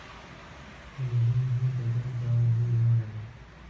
تمدن زموږ د ګډ باور هینداره ده.